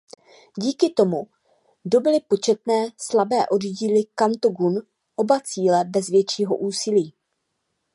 Díky tomu dobyly početně slabé oddíly Kanto Gun oba cíle bez většího úsilí.